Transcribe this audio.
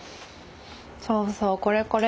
そうそうこれこれ！